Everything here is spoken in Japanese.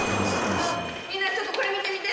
みんなちょっとこれ見て見て！